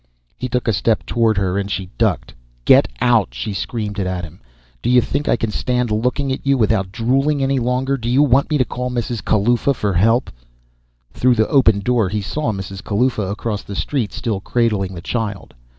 He took a step toward her, and she ducked. "Get out!" She screamed it at him. "Do you think I can stand looking at you without drooling any longer? Do you want me to call Mrs. Kalaufa for help?" Through the open door, he saw Mrs. Kalaufa across the street, still cradling the child.